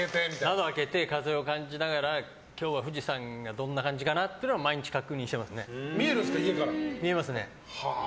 窓開けて、風を感じながら今日は富士山がどんな感じかなっていうのは見えるんですか、家から。